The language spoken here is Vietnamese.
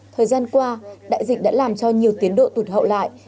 thời gian qua đại dịch đã làm cho nhiều tiến độ tụt hậu lại